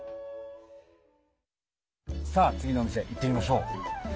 さあ次の店行ってみましょう！